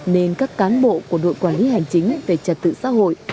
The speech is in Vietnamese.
nên các cán bộ của đội quản lý hành chính về trật tự xã hội